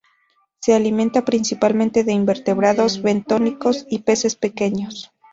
Se alimenta principalmente de invertebrados bentónicos y peces pequeños.